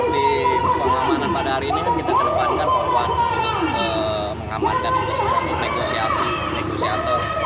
di pengamanan pada hari ini kita kedepankan penguat untuk mengamankan negosiasi negosiatur